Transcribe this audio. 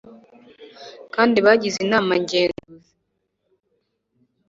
kandi bagize inama nge nzuzi